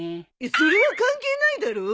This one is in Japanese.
それは関係ないだろ！